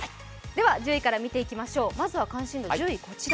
では、１０位から見ていきましょう。